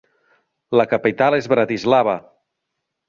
La capital és Bratislava.